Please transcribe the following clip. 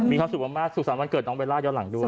มีความสุขมากสุขสรรควันเกิดน้องเบลล่าย้อนหลังด้วย